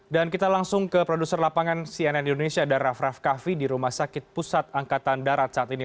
dan kita langsung ke produser lapangan cnn indonesia raff raff kahvi di rumah sakit pusat angkatan darat saat ini